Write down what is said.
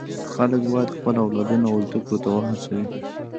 خلک باید خپل اولادونه و زده کړو ته و هڅوي.